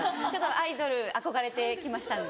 アイドル憧れてきましたんで。